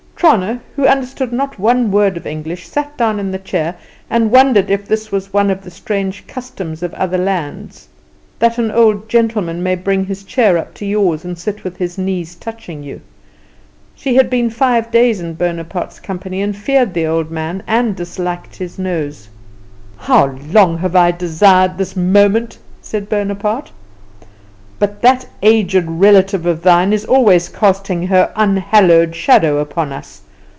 Trana, who understood not one word of English, sat down in the chair and wondered if this was one of the strange customs of other lands, that an old gentleman may bring his chair up to yours, and sit with his knees touching you. She had been five days in Bonaparte's company, and feared the old man, and disliked his nose. "How long have I desired this moment!" said Bonaparte. "But that aged relative of thine is always casting her unhallowed shadow upon us.